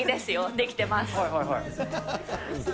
できてます。